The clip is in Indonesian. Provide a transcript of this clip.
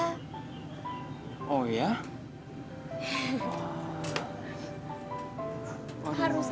terus mereka itu melamar non talita